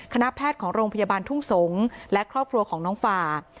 คณะแพทย์ของโรงพยาบาลทุ่งสงศ์และครอบครัวของน้องฟา